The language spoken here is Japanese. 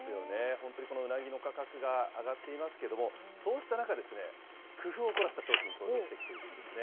本当にこのうなぎの価格が上がっていますけれども、そうした中、工夫を凝らした商品、登場してきているんですね。